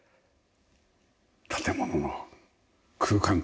建物の空間構成。